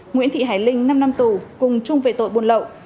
nguyễn thị hải linh năm năm tù cùng chung về tội buôn lậu